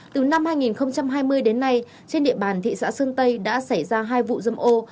từ năm hai nghìn hai mươi đến nay trên địa bàn thị xã sơn tây đã xảy ra hai vụ dâm ô